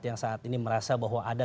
yang saat ini merasa bahwa ada